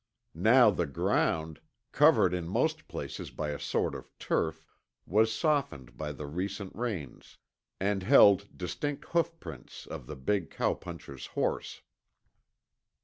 Now the ground, covered in most places by a sort of turf, was softened by the recent rains and held distinct hoofprints of the big cowpuncher's horse.